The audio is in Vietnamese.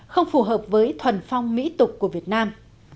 không phù hợp với thuần phong mỹ tục của việt nam